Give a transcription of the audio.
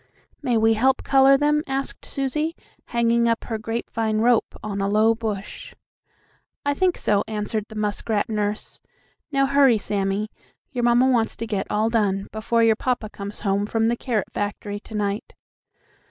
"May we help color them?" asked Susie, hanging up her grapevine rope on a low bush. "I think so," answered the muskrat nurse. "Now, hurry, Sammie; your mamma wants to get all done before your papa comes home from the carrot factory to night."